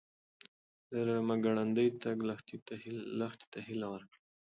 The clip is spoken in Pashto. د رمه ګړندی تګ لښتې ته هیله ورکړه.